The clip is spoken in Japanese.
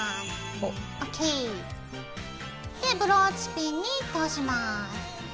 ほっ！ＯＫ！でブローチピンに通します。